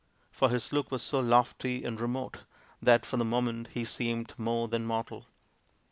" for his look was so lofty and remote that for the moment he seemed more than mortal.